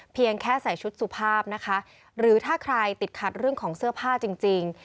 เพียงแค่ใส่ชุดสุภาพนะคะหรือถ้าใครติดขัดเรื่องของเสื้อผ้าจริงจริง